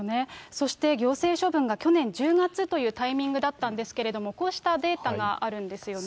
そして行政処分が去年１０月というタイミングだったんですけれども、こうしたデータがあるんですよね。